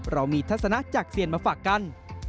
เรามีทัศนะจากเซียนมาฝากกัน